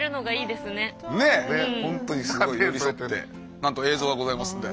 なんと映像がございますんで。